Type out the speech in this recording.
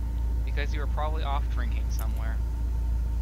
Because you were probably off drinking somewhere.